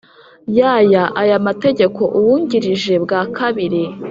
Ya y aya mategeko uwungirije bwa kabiri